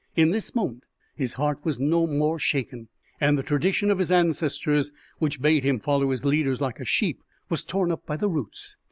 In this moment his heart was no more shaken, and the tradition of his ancestors, which bade him follow his leaders like a sheep, was torn up by the roots.